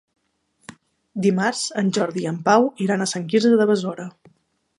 Dimarts en Jordi i en Pau iran a Sant Quirze de Besora.